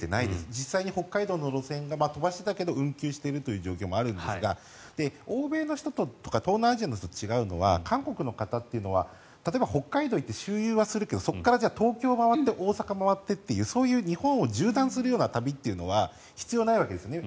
実際に北海道の路線が飛ばしていたけど運休しているという状況もあるんですが欧米の人とか東南アジアの人と違うのは韓国の方っていうのは例えば北海道に行って周遊はするけどそこから東京に回って大阪回ってという日本を縦断するような旅というのは必要ないわけですね。